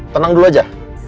tenang dulu aja